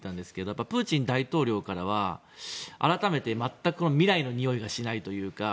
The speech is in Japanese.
やっぱりプーチン大統領からは改めて全く未来のにおいがしないというか。